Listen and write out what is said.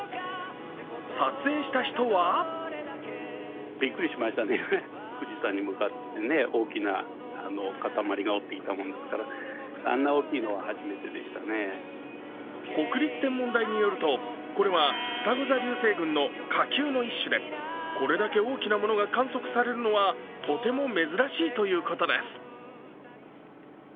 撮影した人は国立天文台によると、これはふたご座流星群の火球の一種でこれだけ大きなものが観測されるのはとても珍しいということです。